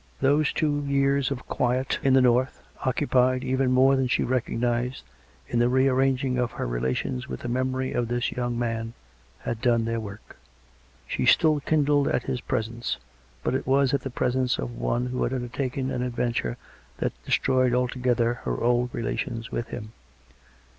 Those two years of quiet in the norths occupied^ even more than she recog nised^ in the rearranging of her relations with the memory of this young man, had done their work. She still kindled at his presence; but it was at the presence of one who had undertaken an adventure that destroyed altogether her old relations with him.